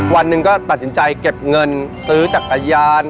วันหนึ่งก็ตัดสินใจเก็บเงินซื้อจักรยาน